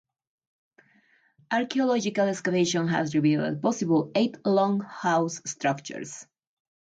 Archaeological excavation has revealed possibly eight long house structures.